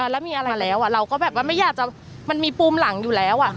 แล้วมีอะไรแล้วเราก็แบบว่าไม่อยากจะมันมีปูมหลังอยู่แล้ว